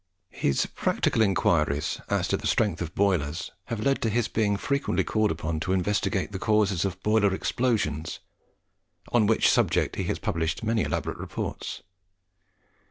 His practical inquiries as to the strength of boilers have led to his being frequently called upon to investigate the causes of boiler explosions, on which subject he has published many elaborate reports.